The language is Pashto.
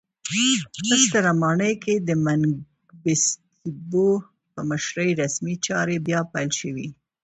په ستره ماڼۍ کې د منګیسټیو په مشرۍ رسمي چارې بیا پیل شوې.